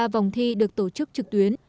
vòng thi được tổ chức trực tuyến